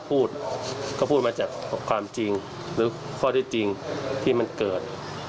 พูดก็พูดมาจากความจริงหรือข้อที่จริงที่มันเกิด